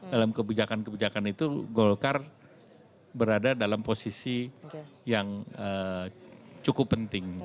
dalam kebijakan kebijakan itu golkar berada dalam posisi yang cukup penting